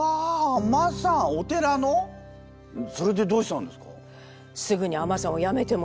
それでどうしたんですか？